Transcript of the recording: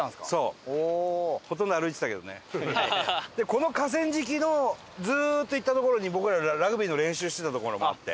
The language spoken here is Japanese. この河川敷のずっと行った所に僕らがラグビーの練習してた所もあって。